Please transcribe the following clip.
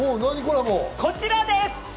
こちらです。